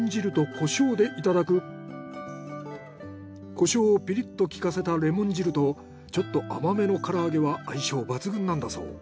コショウをピリッときかせたレモン汁とちょっと甘めの唐揚げは相性抜群なんだそう。